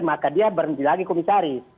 maka dia berhenti lagi komisaris